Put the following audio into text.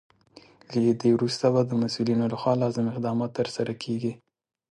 له دې وروسته به د مسولینو لخوا لازم اقدامات ترسره کیږي.